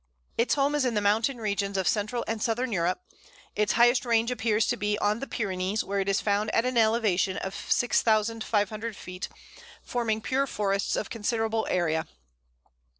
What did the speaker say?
Its home is in the mountain regions of Central and Southern Europe. Its highest range appears to be on the Pyrenees, where it is found at an elevation of 6500 feet, forming pure forests of considerable area.